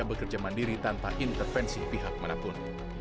bekerja mandiri tanpa intervensi pihak manapun